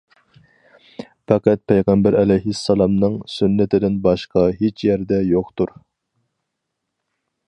پەقەت پەيغەمبەر ئەلەيھىسسالامنىڭ سۈننىتىدىن باشقا ھېچ يەردە يوقتۇر.